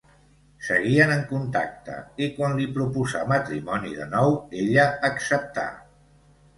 Seguien en contacte i quan li proposà matrimoni de nou, ella acceptà.